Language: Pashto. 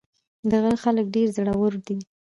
د غره خلک ډېر زړور دي.